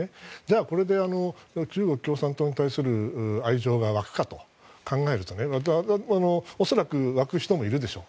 これで、中国共産党に対する愛情が湧くかと考えると、恐らく湧く人もいるでしょう。